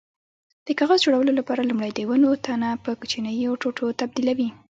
د کاغذ جوړولو لپاره لومړی د ونو تنه په کوچنیو ټوټو تبدیلوي.